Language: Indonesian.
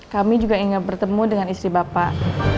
kami juga ingin bertemu dengan istri bapak